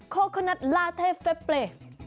โคกนัตลาเทลเปเป